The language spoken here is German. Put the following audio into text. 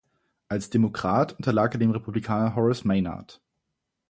Als Demokrat unterlag er dem Republikaner Horace Maynard.